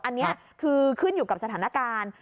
อันนี้คือขึ้นอยู่กับสถานการณ์